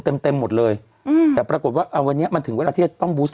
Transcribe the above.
เต็มเต็มหมดเลยอืมแต่ปรากฏว่าอ่าวันนี้มันถึงเวลาที่จะต้องบูส